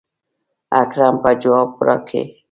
اکرم به جواب راکي.